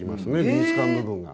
美術館部分が。